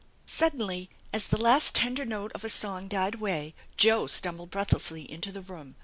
Suddenly, as the last tender note of a song died away Joe ^tumbled breathlessly into the room.